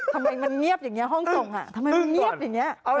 ทำไมมันเงียบอย่างนี้ห้องส่งทำไมมันเงียบอย่างนี้